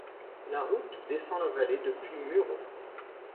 La route descend la vallée depuis Muro.